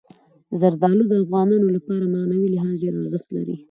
زردالو د افغانانو لپاره په معنوي لحاظ ډېر ارزښت لري.